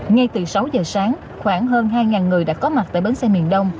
ngay từ sáu giờ sáng khoảng hơn hai người đã có mặt tại bến xe miền đông